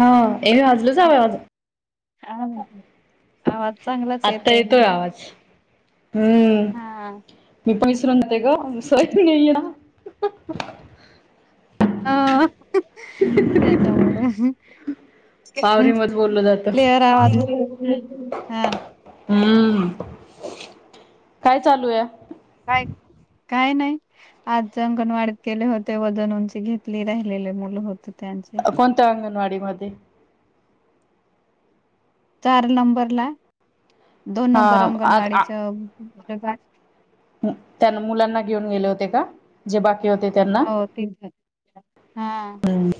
हम्म [unintelligible] हां. आवाज चांगलाच आत्ता येतोय ना आता. आवाज. हम्म हा. मी पैसरून जाते ग [unintelligible] [unintelligible] हा त्याच्यामुळ पावरी मच [unintelligible] बोललं जातं. क्लिअर आवाज हा का हम्म काय चालू ये? काय काय नाही आज ज अंगणवाडीत केले होते. वजन- उंची घेतली राहिलेले मुलं होत कोणत्या अंगनवाडीत? मध्ये चार नंबर ला. दोन हा नंबर अंगणवाडीच [inaudible] त्यां मुलांना घेऊन गेले होते का जे बाकी.. होते त्यांना तिथे हा हम्म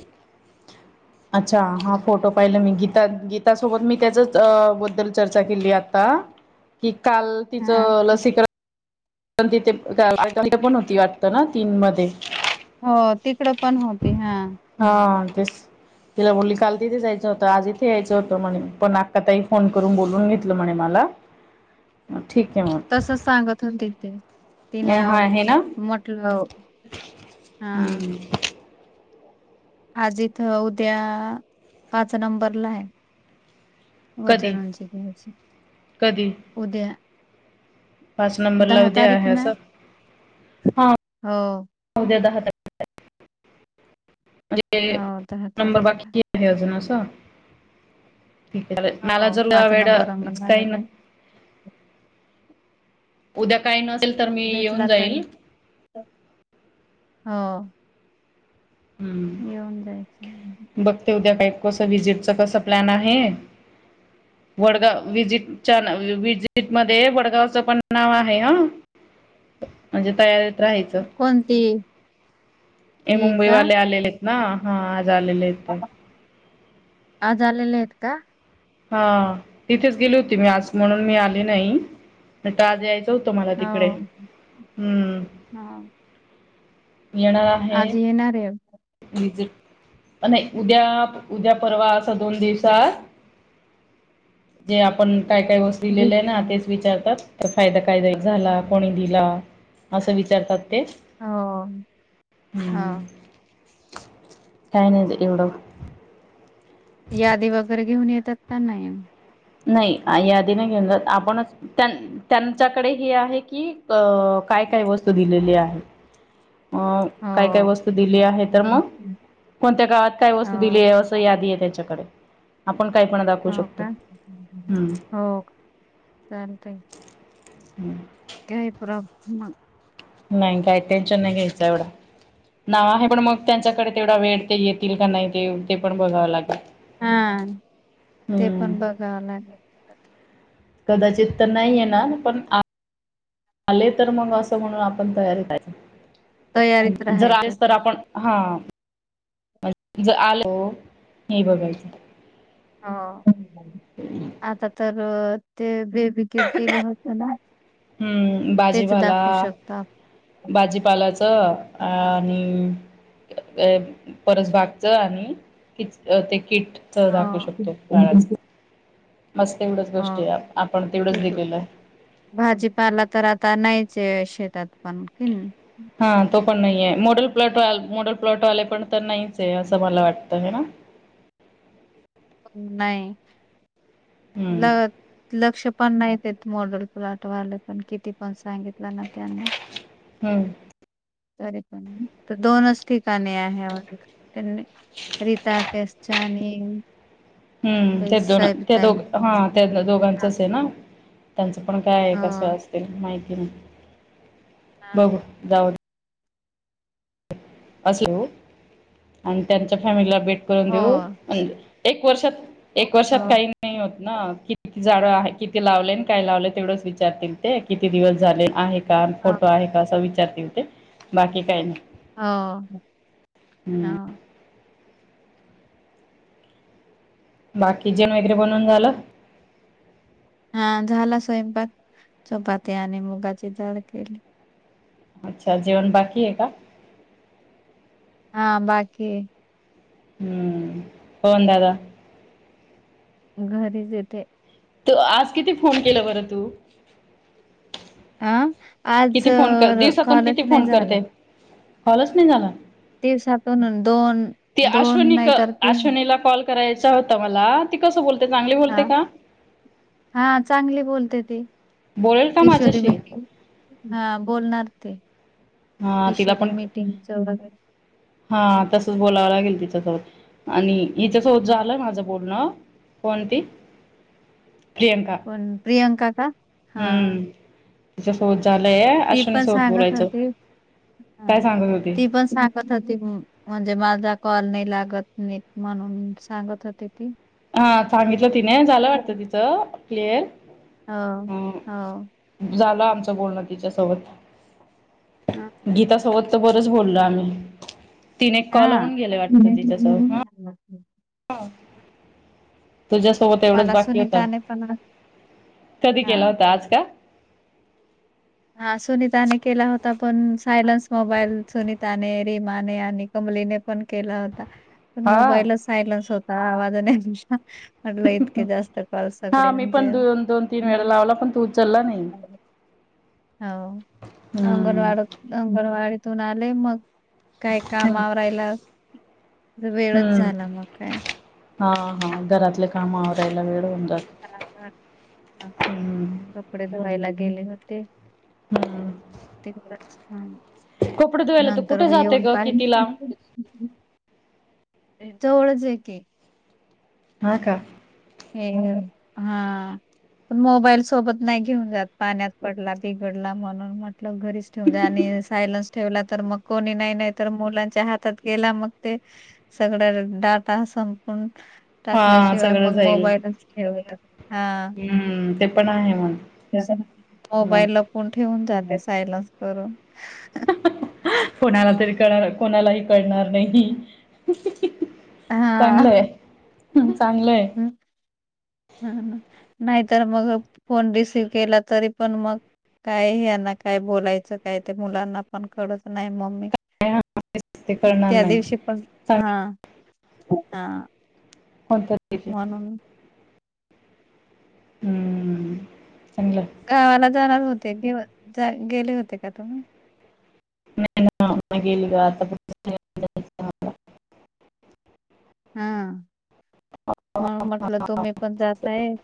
अच्छा हा फोटो पाहिलं मी गीता गीता सोबत मी त्याच्याच बद्दल चर्चा केली आता की. काल हा तिचं लसीकरण. तिथे पण होती वाटता ना तीन मध्ये. हो तिकडं पण होती हा. हा तेच तिला बोलली काल तिथे जायचं होतं आज इथे यायचं होतं म्हणे पण अका ताई फोन करून बोलून घेतलं म्हणे मला. ठीक आहे मग तसच सांगत होते. ते हा तिनं आहे ना म्हटलं हा! हम्म आज इथं उद्या पाच नंबरला आहे.. कधी वजन उंची घायची. कधी उद्या पाच नंबर ला दहा उद्या तारीख आहे ना असं.. हो दे द हातात. हो म्ह दहा नंबर तारखेला बाकीज [inaudible] हो मॅलाजरला पाच नंबर वेळाच अंगणवाडी काही ना. जाईल. उद्या काही नस तर मी भेटला येऊन तरी जाईल. हा. जायचं हम्म बघते उद्या काय? कस विजिट च कस प्लॅन आहे वडगाव विजिटच्या विजिट मध्ये वडगावच पण नाव आहे ह म्हणजे तयारी कोणती? हे ही का मुंबईवाले आलेले. ह हा. मजाले येते. आज आलेले आहेत का? हा तिथेच गेली होती मी आज म्हणून मी आले नाही आज यायच. त मला तिकडे हो हम्. आजी येणार आहे. उद्या उद्या परवा असा दोन दिवसात जे आपण काय काय वोष्ट वि- लिलेली आहे ना तेच विचारतात तर फायदा कायदा एक झाला. कोणी दिला असं विचारतात. ते हो हो हम्. कायन एवढं. यादी वगैरे घेऊन येतात. का नाही. नाही यादी नाही घेऊन जात आपणच त्यां त्यांच्याकडे हे आहे की अ काय काय वस्तू दिलेली आहे. अ हो काय काय वस्तू दिली आहे तर मग कोणत्या काळात काय वस्तू दिली हो आहे असं यादी आहे त्याच्याकडे आपण काही पण दाखवू हो शकतो का हम्म हो का चालतय. हम्म. काही प्रब नाही काही टेन्शन नाही घ्यायच एवढं नाव आहे पण मग त्यांच्याकडे तेवढा वेळ ते येतील का नाही ते ते पण बघावं लागेल. हा ते हम्म पण बघावं लागेल परत कदाचित तर नाही आहे ना पण आले तर मग असं म्हणून आपण तयारीतच. तयारीत जर राहायचं आहेस तर आपण हा ज आलं हे बघायचं. हा आता तर ते बे विकेट दिलं होत ना हम्म तेच भाजीपाला दाखवू शकतो आप भाजीपालाचं आणि अ परत भागच आणि कि ते किट हा बस तेवढंच हा गोष्टी आहे आपण तेवढंच दिलेलं आहे भाजीपाला तर आता नाहीच शेत त्यात पण कीन हा तो पण नाही मोॉडल प्लॉट मोॉडल प्लॉट वाले पण तर नाहीच आहे असं मला वाटत ह ना नाही ल हम्म लक्ष पण नाही मॉडेल प्लॉट वाले पण किती पण सांगितलं ना त्यांना हम्म त पण तर दोनच ठिकाणी आहे त्यां रीता केशनी हम् हम्म त्या दोन त्या दोघ हा ताईंच त्या दोघांचच आहे ना त पण काय आहे कसं हो असतील माहिती बघ जाऊ अस आणि त्यांच्या फॅमिलीला भेट हो देऊ एक वर्षात हो एक वर्षात हो काही नाहीत ना किती झाडं आहे किती लावले काय लावले तेवढंच विचारतील ते किती दिवस झाले आहे का हो फोटो आहे का विचार ज होते बाकी काही नाही हो हम्म ह बाकीचेण वगैरे बनवून झालं हा झाला स्वयंपाक चपाती आणि मुगाची जळ केली अच्छा जेवन बाकी आहे का हा बाकी हम्म हो द द घरीच येते तर आज किती फोन केला बरं तू अ आज किती फोन कर दिवसातून किती कॉलेज नाही फोन झालं. करते [unintelligible] नाही झाला. दिवसातून दोन, ती दोन अश्वनी नाही क तर तीन अश्वनीला कॉल करायचा होता मला ते कसं ब हा हा चांगली बोलते ती. बोलेल का किशोरी माझ्याशी भेटेल हा बोलणार ती हा तिला किशोरी पण मिटिंग च हा तसचं बोलावं लागेल तिच्या सोबत आणि इथंच होत हा, झालंय माझं बोलणं कोणती प्रियंका पण प्रियांका का हा हम्म [unintelligible] ती अश्विनी पण सोबत सांगत बोलायचं होती काय सांगत होती ती पण सांगत होती. म्हणजे माझा कॉल नाही लागत, नाही म्हणून सांगत होते. हा सांगितलं तिने झालं हो वाटत तिचं क्लिअर हो हं झालं. आमचं बोलणं तिच्यासोबत गीता सोबत तर बरचं बोललो आम्ही. तिने हा कॉल होन गेले वाटत [unintelligible] तुझ्यासोबत एवढंच मला बाकी होत सुनीताने पण कधी हा केला होता, आज का? हा सुनीताने केला होता, पण सायलन्स मोबाईल सुनिताने रीमाने आणि कमलीने पण केला होता. पण हा मोबाईल सायन्स होता. हा आवाजाने इतके जास्त कॉल हा सगळे मी पण म्हणजे हो द दोन, तीन वेळा लावला. पण तू उचलला नाही. हो हम्म अंगनवाडत [unintelligible] वाडीतून आले मग काय हम्म कामावरायला वेळच हम्म झाला, मग काय? हा हा घरातले काम आवरायला वेळ जात हा ह हम्म कपडे धुवायला गेले होते. हम्म ते घराचं हम्.... कपडे धुवायला तर कुठे जाते ग कितीिला... जवळच आहे की हा का हा पण मोबाईल सोबत नाही घेऊन जात पाण्यात पडला बिघडला म्हणून म्हटलं घरीच ठेवून जा आणि सायलन्स ठेवला तर मग कोणी नाही नाही तर मुलांच्या हातात गेला मग ते सगळं डाटा संपून..... हा टाकल्याशिवाय सगळं मग... जाईल मोबाईलच ठे हा हम्म ते पण आहे म्हण मग मोबाईल ला पण ठेवून जात.... सायलन्स करून... कोणाला तरी कळणार कोणालाही कळणार नाही... चांगलंय... हा.... हम् हम.... नाहीतर मग फोन रिसीव केला तरी पण मग काय हना काय बोलायचं काय ते मुलांना पण कळत नाही मम्मी हरकत ते कळणार त्या नाही दिवशी पण चांग हा... हा... होता... म्हणून हम्म.... चांगलं.... गावाला जाणार होतेे गेले होते का तुम्ही.... न मागलग त... हा... म मतलब तुम... पण जातय...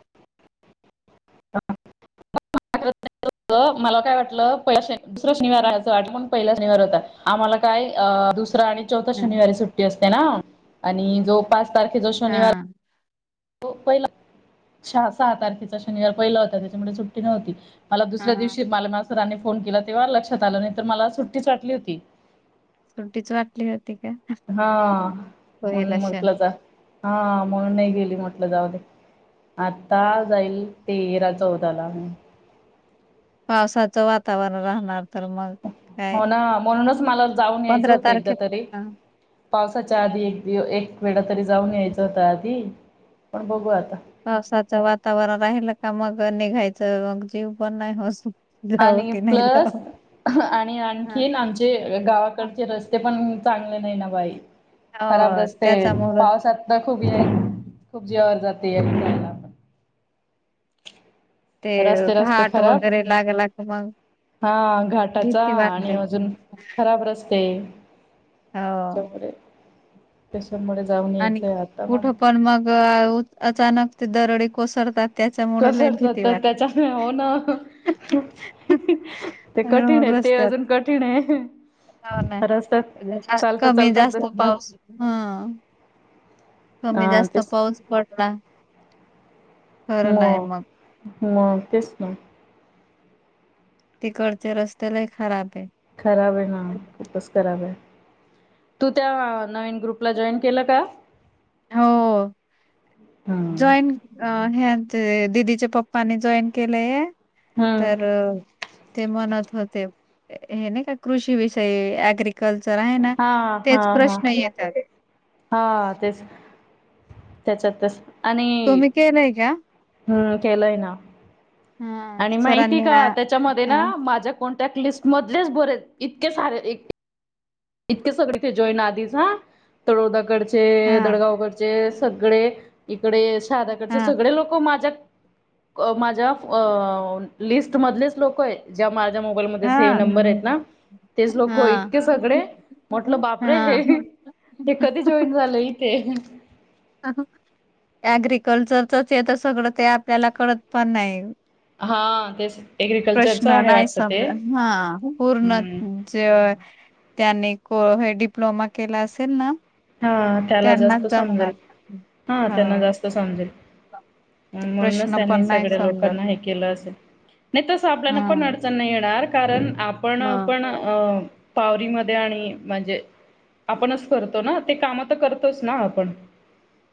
मला काय वाटलं पहि दुसरा शनिवार राहायचं वाट पण पहिला शनिवार होता आम्हाला कायस.... त आणि चौथ हा शनिवारी सुट्टी असते. ना आणि जो पाच तारखे... हिजो शनिवार... हा. पहिला सहा सहा तारखेचा शनिवार पहिला होता त्याच्यामुळे सुट्टी नव्हती.... मला दुसऱ्या हा. दिवशी मला मा.. फोन केला तेव्हा लक्षात आलं नाही तर मला सुट्टीच वाटली होती.... सुटीच वाटली होती... का? हा पहिला म्हणून म्हटलं शनी. जा... हा म्हणून नाही गेली म्हटलं जाऊ दे आता जाईल तेरा चौदाला म.... पावसाचं वातावरण राहणार.... तर मग हो काय ना म्हणूनच मला जाऊन यायचं पंधरा होतं एकदा तारखे तरी. हा पावसाच्या आधी एक दि एक वेळा तरी जाऊन यायचं होत आधी पण बघू आता. पावसाचं वातावरण राहिलं का मग निघायचं मग जीव पण नाही होत. जावं आणि की नाही प्लस जावं. आणि आणखीन आमचे गावाकडचे रस्ते पण चांगले नाही ना वय खराब हो रस्ते त्याच्यामुळ पावसात तर खूप खूप जिवावर जात [unintelligible] ते रस्ते रस्ते घाट खराब वगैरे लागला की मग हा घाटाचा भीती आणि वाटते अजून खराब रस्ते हो त्याच्यामुळे टस आणि कुठं पण मग अचानक ते दरडी कोसरतात कसरतात तर त्याच्याने हो ना ते कठीण रोड आहे ते रस्त्यात अजून कठीण आहे हो ना रस्त्यात जास्त चालतात कमी चालतात जास्त पाऊस हा कमी जास्त पाऊस पडला खरं नाही मग म तेच् ना. तिकडच्या रस्त्यालाही खराब आहे. खराब आहे ना खपस खराब आहे. तू त्या नवीन ग्रुपला जॉईन केलं का? हो हम्म जॉईन अ ह दिदीच्या पप्पानी जॉईन केलंय. तर हम्म ते म्हणत होते हे ना का कृषीविषयी अँग्री कल्चर आहे ना हा हा तेच हा प्रश्न येतात. हा तेच त्याच्यातच आणि तुम्ही केलाय का? हम्म केलय ना. हां. आणि माहिती सरांनी का हां, त्याच्यामध्ये ना हां, माझ्या कोण टकलिस्ट मधलेच बरेल इतके सारे इतके सगळे ते जॉईन आधच तळोदाकडचे चे हां, दडगावकचे सगळे इकडे दाकडचे हां, सगळे लोक माझ्या माझ्या लिस्ट मधलेच लोकं हे ज्या मा मोबाईल मध्ये सेव्ह हां, नंबर आहेत ना तेच लोक इतके सगळे म्हटलं बापरे हां, ते कधी जॉईन झालं ते अग्रिकल्चरचच य तर सगळं ते आपल्याला कळत पण नाही हा तेच एग्रिकल्चरच प्रश्न आहे नाही वाटत ते समजा हा पूर्ण हम्म जे त्यांनी हे डिप्लोमा केला असेल ना हा त्याला त्यांनाच जास्त समजेल जमणार. हा त्यांना जास्त समजेल ते म्हणूनच प्रश्न त्यांनी पण नाही सगळ्या समजत लोकांना हे केलं असेल नाही तसं आपल्याला पण हा. अडचण नाही येणार कारण आपण पण अ पावररीमध्ये आणि म्हणजे आपणच करतो ना ते काम तर करतोच ना आपण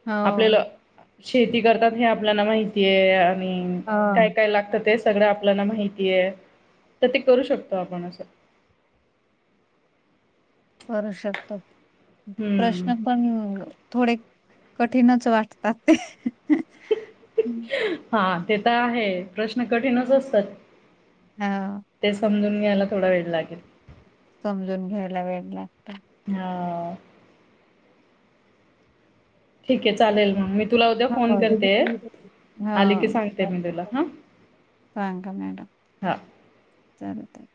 होा आपल्याला शेती करतात हे आपल्याला माहितीय आणि काय हं. काय लागतात ते सगळं आपल्याला माहिती आहे तर ते करू शकतो आपण असं करू शकतो हम्म. प्रश्न पण थोडे कठीणच वाटतात ते हा ते तर आहे प्रश्न कठीणच असतात हा ते समजून ला थडा वेळ लागेल समजून घ्यायला वेळ लागत हा ठीक आहे चालेल मग मी तुला उद्या हो फोन करते हो आली की सांगते मी तुला हां सांग मॅडम हां चाल